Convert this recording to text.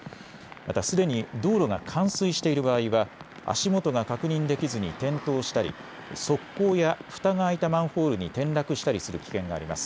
またすでに道路が冠水している場合は足元が確認できずに転倒したり側溝やふたが開いたマンホールに転落したりする危険があります。